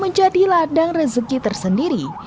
menjadi ladang rezeki tersendiri